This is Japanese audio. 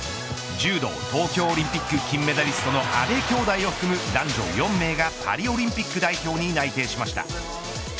柔道、東京オリンピック金メダリストの阿部きょうだいを含む男女４名がパリオリンピック代表に内定しました。